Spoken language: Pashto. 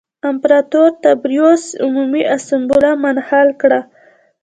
امپراتور تبریوس عمومي اسامبله منحل کړه